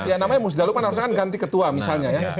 ya namanya musdaluk kan harusnya kan ganti ketua misalnya ya